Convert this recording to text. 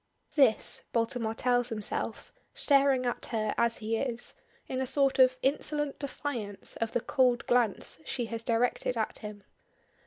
This, Baltimore tells himself, staring at her as he is, in a sort of insolent defiance of the cold glance she has directed at him.